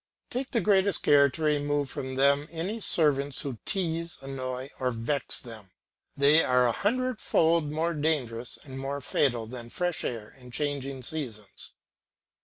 Take the greatest care to remove from them any servants who tease, annoy, or vex them. They are a hundredfold more dangerous and more fatal than fresh air and changing seasons.